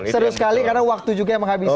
serius sekali karena waktu juga yang menghabisi